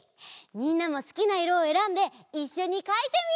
みんなもすきないろをえらんでいっしょにかいてみよう！